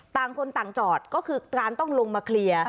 ต่างคนต่างจอดก็คือการต้องลงมาเคลียร์